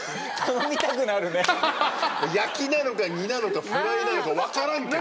焼きなのか煮なのかフライなのか分からんけど。